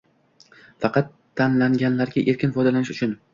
faqat «tanlangan»larga erkin foydalanish uchun